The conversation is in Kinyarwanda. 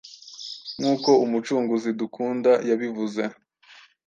Nkuko Umucunguzi dukunda yabivuze: